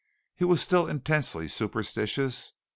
He was still intensely superstitious.